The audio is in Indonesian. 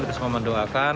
kita semua mendoakan